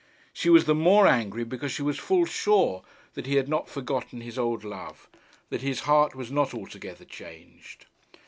She was the more angry because she was full sure that he had not forgotten his old love, that his heart was not altogether changed.